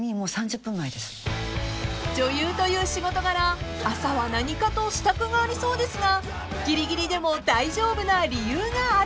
［女優という仕事柄朝は何かと支度がありそうですがぎりぎりでも大丈夫な理由があるそうで］